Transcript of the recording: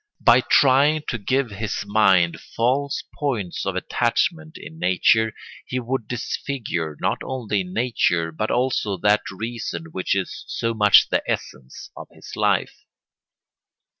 By trying to give his mind false points of attachment in nature he would disfigure not only nature but also that reason which is so much the essence of his life.